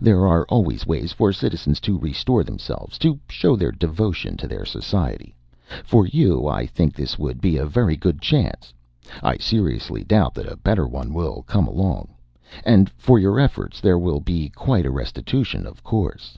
There are always ways for citizens to restore themselves, to show their devotion to their society. For you I think this would be a very good chance. I seriously doubt that a better one will come. And for your efforts there will be quite a restitution, of course."